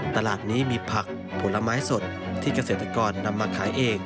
ตลาดนี้มีผักผลไม้สดที่เกษตรกรนำมาขายเอง